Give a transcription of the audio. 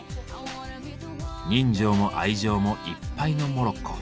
人情も愛情もいっぱいのモロッコ。